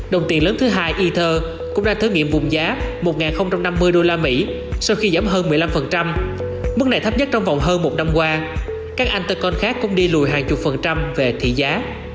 đồng tiền lớn thứ hai ether cũng ra thử nghiệm vùng giá một năm mươi usd sau khi giảm hơn một mươi năm mức này thấp nhất trong vòng hơn một năm qua các anh the con khác cũng đi lùi hàng chục phần trăm về thị giá